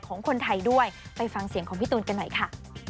ของคนไทยด้วยไปฟังเสียงของพี่ตูนกันหน่อยค่ะ